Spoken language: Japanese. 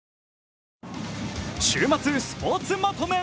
週末スポーツまとめ。